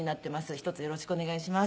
ひとつよろしくお願いします。